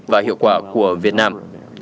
và hiệu quả của việt nam